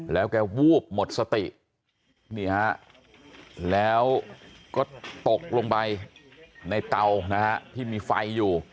แล้วแกวูบหมดสติแล้วก็ตกลงไปในเตาที่มีไฟอยู่